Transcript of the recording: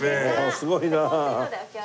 すごいな。